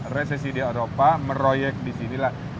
resesi di eropa meroyek di sinilah